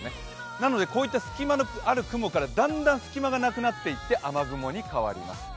なのでこういった隙間のある雲からだんだん隙間がなくなっていって雨雲に変わります。